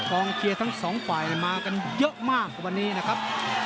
เชียร์ทั้งสองฝ่ายมากันเยอะมากวันนี้นะครับ